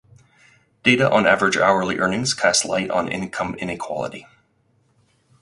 Data on average hourly earnings cast light on income inequality.